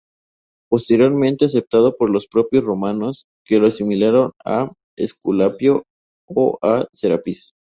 Posteriormente aceptado por los propios romanos, que lo asimilaron a Esculapio o a Serapis.